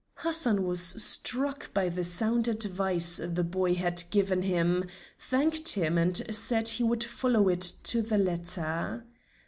Hassan was struck by the sound advice the boy had given him, thanked him and said he would follow it to the letter.